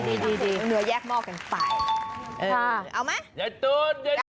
ดีดีดีเนื้อแยกหม้อกันไปเออเอาไหม